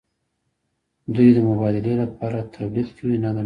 دوی د مبادلې لپاره تولید کوي نه د مصرف.